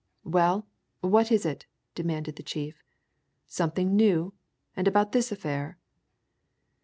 "Well, what is it?" demanded the chief. "Something new? And about this affair?"